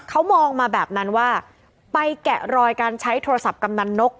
เขามองมาแบบนั้นว่าไปแกะรอยการใช้โทรศัพท์กำนันนก